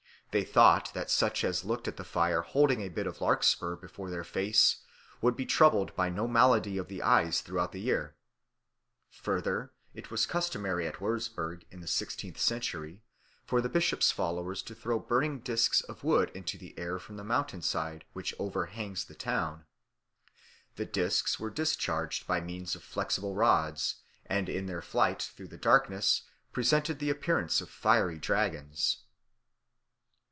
They thought that such as looked at the fire holding a bit of larkspur before their face would be troubled by no malady of the eyes throughout the year. Further, it was customary at Würzburg, in the sixteenth century, for the bishop's followers to throw burning discs of wood into the air from a mountain which overhangs the town. The discs were discharged by means of flexible rods, and in their flight through the darkness presented the appearance of fiery dragons.